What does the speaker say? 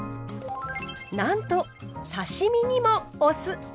なんと刺身にもお酢。